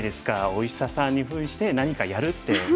お医者さんにふんして何かやるって。